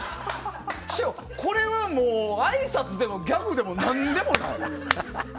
これはもうあいさつでもギャグでもなんでもない。